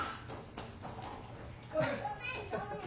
ごめんごめん。